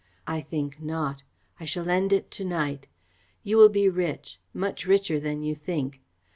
I think not. I shall end it to night. You will be rich much richer than you think.